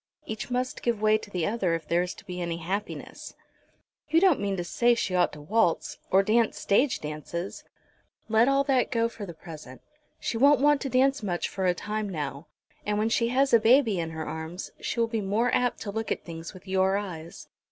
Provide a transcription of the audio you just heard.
"Each must give way to the other if there is to be any happiness." "You don't mean to say she ought to waltz, or dance stage dances?" "Let all that go for the present. She won't want to dance much for a time now, and when she has a baby in her arms she will be more apt to look at things with your eyes.